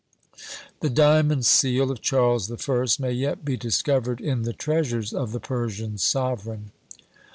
The diamond seal of Charles the First may yet be discovered in the treasures of the Persian sovereign.